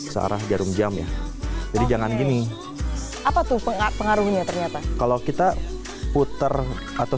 searah jarum jam ya jadi jangan gini apa tuh pengaruh pengaruhnya ternyata kalau kita puter atau